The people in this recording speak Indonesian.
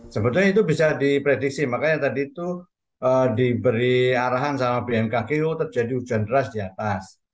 sebetulnya itu bisa diprediksi makanya tadi itu diberi arahan sama bmkg terjadi hujan deras di atas